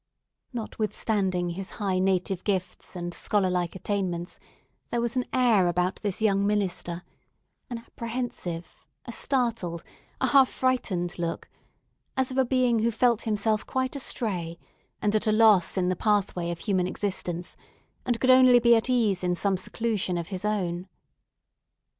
Notwithstanding his high native gifts and scholar like attainments, there was an air about this young minister—an apprehensive, a startled, a half frightened look—as of a being who felt himself quite astray, and at a loss in the pathway of human existence, and could only be at ease in some seclusion of his own.